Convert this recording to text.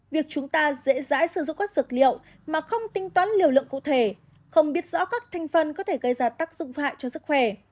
việc chúng ta dễ dãi sử dụng các dược liệu mà không tính toán liều lượng cụ thể không biết rõ các thanh phân có thể gây ra tác dụng hại cho sức khỏe